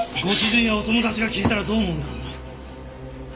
ご主人やお友達が聞いたらどう思うんだろうな？